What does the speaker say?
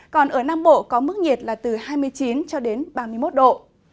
còn ở nam bộ có mức nhiệt là từ hai mươi năm hai mươi tám độ